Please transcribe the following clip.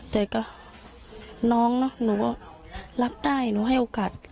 แต่ก็น้องเนอะหนูก็รับได้หนูให้โอกาส